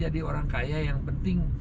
orang kaya yang penting